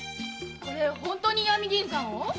これ本当に石見銀山を？